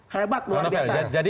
hebat luar biasa